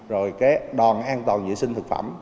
rồi đoàn an toàn vệ sinh thực phẩm